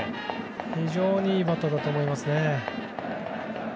非常にいいバッターだと思いますね。